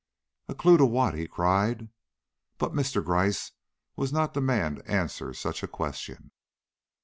"A clue to what?" he cried. But Mr. Gryce was not the man to answer such a question.